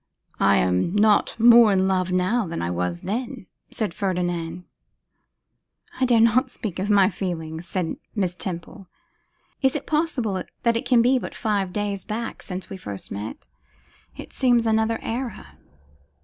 'I am not more in love now than I was then,' said Ferdinand. 'I dare not speak of my feelings,' said Miss Temple. 'Is it possible that it can be but five days back since we first met! It seems another era.